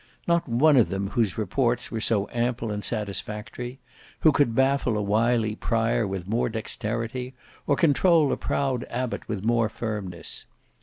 Not one of them whose reports were so ample and satisfactory, who could baffle a wily prior with more dexterity, or control a proud abbot with more firmness.